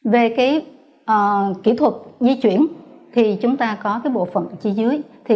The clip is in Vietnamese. về kỹ thuật di chuyển thì chúng ta có bộ phận chi dưới